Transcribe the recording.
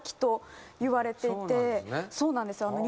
そうなんですね。